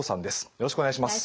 よろしくお願いします。